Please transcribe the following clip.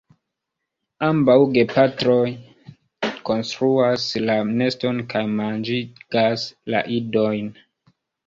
Ambaŭ gepatroj konstruas la neston kaj manĝigas la idojn.